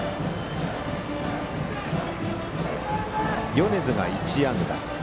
米津が１安打。